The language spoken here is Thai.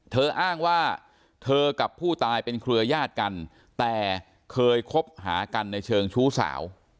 อ้างว่าเธอกับผู้ตายเป็นเครือยาศกันแต่เคยคบหากันในเชิงชู้สาว